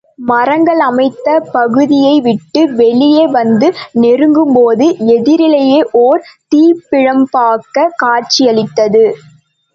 மரங்களமைந்த பகுதியைவிட்டு வெளியே வந்து நெருங்கும்போது, எதிரிலே ஒரே தீப்பிழம்பாகக் காட்சியளித்தது.